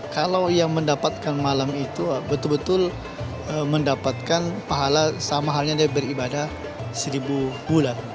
kalau yang mendapatkan malam itu betul betul mendapatkan pahala sama halnya dari beribadah seribu bulan